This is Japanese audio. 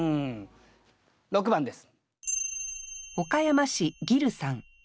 ６番です。